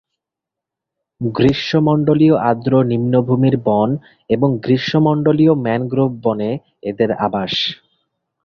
গ্রীষ্মমন্ডলীয় আর্দ্র নিম্নভূমির বন এবং গ্রীষ্মমন্ডলীয় ম্যানগ্রোভ বনে এদের আবাস।